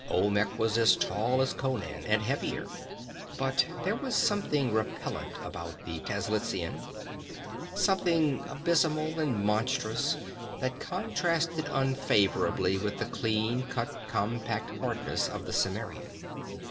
Olmec was as tall as Conan, and heavier; but there was something repellent about the Tlazitlan, something abysmal and monstrous that contrasted unfavorably with the clean cut, compact hardness of the Cimmerian.